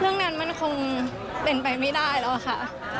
เรื่องนั้นมันคงเป็นไปไม่ได้แล้วค่ะ